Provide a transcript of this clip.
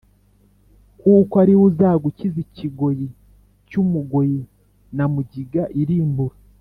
kuko ari we uzagukiza ikigoyi cy’umugoyi, na mugiga irimbura.